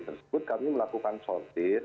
tersebut kami melakukan sortir